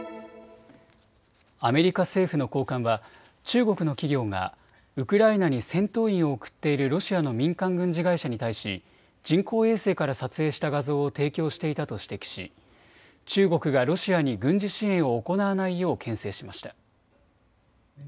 アメリカ政府の高官は中国の企業がウクライナに戦闘員を送っているロシアの民間軍事会社に対し人工衛星から撮影した画像を提供していたと指摘し中国がロシアに軍事支援を行わないようけん制しました。